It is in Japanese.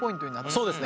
そうですね。